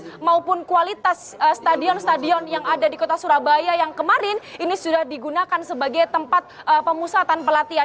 nah maupun kualitas stadion stadion stadion yang ada di kota surabaya yang kemarin ini sudah digunakan sebagai tempat pemusatan pelatihan